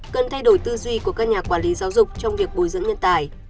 cần thay đổi tư duy của các nhà quản lý giáo dục trong việc bồi dưỡng nhân tài